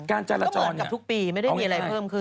การจารจรก็เหมือนกับทุกปีไม่ได้มีอะไรเพิ่มขึ้น